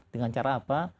dengan cara apa